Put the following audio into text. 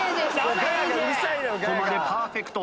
ここまでパーフェクト。